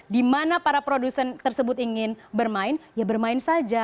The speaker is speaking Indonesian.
di mana para produsen tersebut ingin bermain ya bermain saja